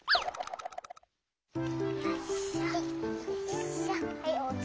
よいしょよいしょ。